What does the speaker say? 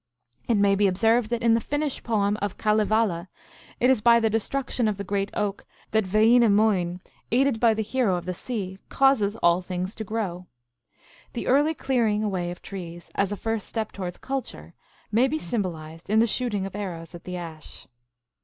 It may be observed that in the Finnish poem of Kalevala it is by the destruction of the great oak that Wainamoien, aided by the hero of the sea, causes all things to grow. The early clearing away of trees, as a first step towards culture, may be symbolized in the shooting of arrows at the ash.